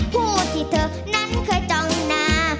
ผู้ที่เธอนั้นเคยจองหน้า